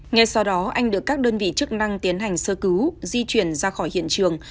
ngay sau đó anh được các đơn vị chức năng tiến hành sơ cứu di chuyển ra khỏi hiện trường